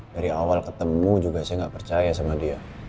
dari awal ketemu juga saya nggak percaya sama dia